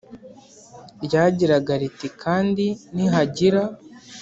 Ryagiraga riti kandi nihagira